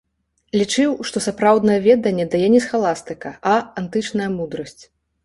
Лічыў, што сапраўднае веданне дае не схаластыка, а антычная мудрасць.